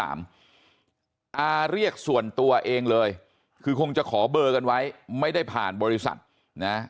อาเรียกส่วนตัวเองเลยคือคงจะขอเบอร์กันไว้ไม่ได้ผ่านบริษัทนะ